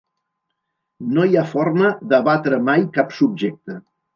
No hi ha forma d'abatre mai cap subjecte.